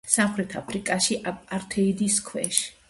სამხრეთ აფრიკაში აპართეიდის ქვეშ.